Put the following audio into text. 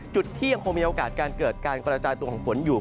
จุดที่ยังคงมีโอกาสการเกิดการกระจายตัวของฝนอยู่